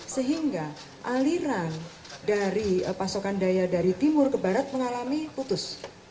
sehingga aliran dari pasokan daya dari timur ke barat mengalami putus